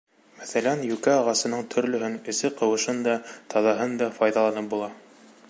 Мәҫәлән, йүкә ағасының төрлөһөн — эсе ҡыуышын да, таҙаһын да — файҙаланып була.